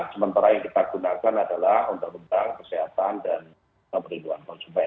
sementara yang kita gunakan adalah untuk tentang kesehatan dan pemerintahan konsumen